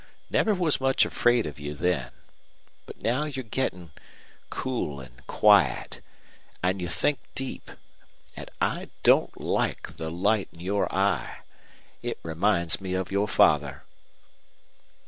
Never was much afraid of you then. But now you're gettin' cool an' quiet, an' you think deep, an' I don't like the light in your eye. It reminds me of your father."